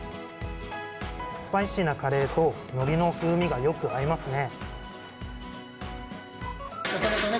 スパイシーなカレーとのりの風味がよく合いますね。